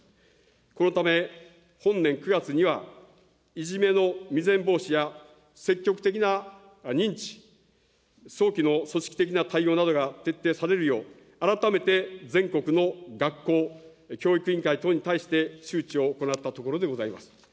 このため、本年９月にはいじめの未然防止や積極的な認知、早期の組織的な対応などが徹底されるよう、改めて全国の学校、教育委員会等に対して周知を行ったところでございます。